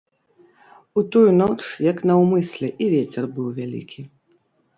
У тую ноч як наўмысля і вецер быў вялікі.